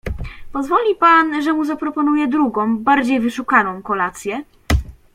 "Pozwoli pan, że mu zaproponuję drugą, bardziej wyszukaną, kolację?"